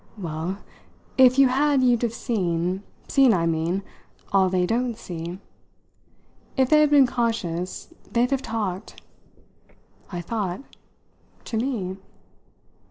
"Well, if you had you'd have seen seen, I mean, all they don't see. If they had been conscious they'd have talked." I thought. "To me?"